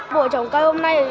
bộ trồng cây hôm nay